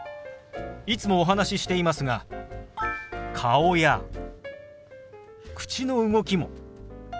いつもお話ししていますが顔や口の動きも手話の一部ですよ。